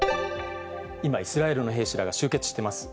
今、イスラエルの兵士らが集結してます。